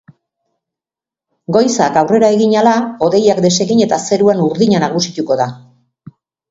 Goizak aurrera egin ahala, hodeiak desegin eta zeruan urdina nagusituko da.